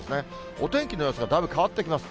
お天気の様子がだいぶ変わってきます。